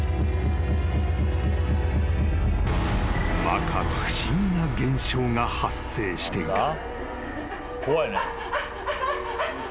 ［まか不思議な現象が発生していた］